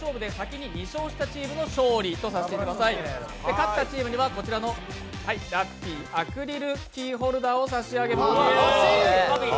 勝ったチームにはラッピーアクリルキーホルダーを差し上げます。